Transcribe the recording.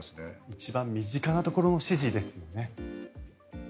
一番身近なところの支持ですよね。